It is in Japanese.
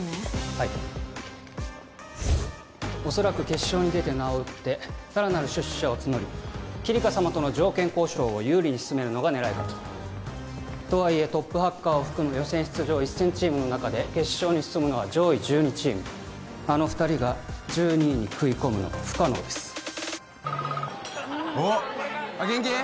はいおそらく決勝に出て名を売ってさらなる出資者を募りキリカ様との条件交渉を有利に進めるのが狙いかととはいえトップハッカーを含む予選出場１０００チームの中で決勝に進むのは上位１２チームあの二人が１２位に食い込むのは不可能ですおっあっ元気？